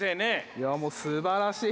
いやもうすばらしい。